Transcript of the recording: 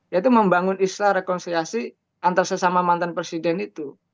yaitu membangun istilah rekonsiliasi antar sesama mantan presiden itu